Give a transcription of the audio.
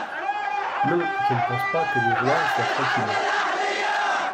Non, je ne pense pas que les rois soient tranquilles ;